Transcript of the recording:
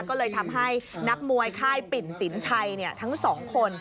ก็เลยทำให้นักมวยค่ายปิ่นสินชัยทั้งสองคน